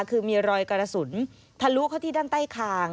คือมีรอยกระสุนทะลุเข้าที่ด้านใต้คาง